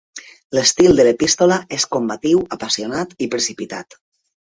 L'estil de l'epístola és combatiu, apassionat i precipitat.